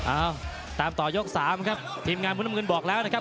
อ้าวตามต่อยกสามครับทีมงานคุณน้ำเงินบอกแล้วนะครับ